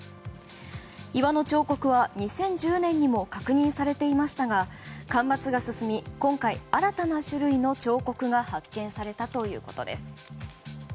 岩の彫刻は２０１０年にも確認されていましたが干ばつが進み、今回新たな種類の彫刻が発見されたということです。